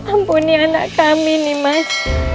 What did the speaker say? ampuni anak kami nih mas